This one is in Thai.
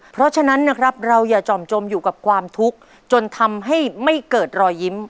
เพราะฉะนั้นนะครับเราอย่าจ่อมจมอยู่กับความทุกข์จนทำให้ไม่เกิดรอยยิ้ม